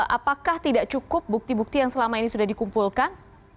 apakah tidak cukup bukti bukti yang selama ini sudah dikumpulkan